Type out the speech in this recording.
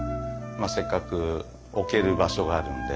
まあせっかく置ける場所があるんで。